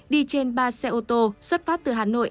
đi trên ba xe ô tô xuất phát từ hà nội